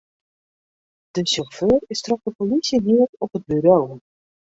De sjauffeur is troch de polysje heard op it buro.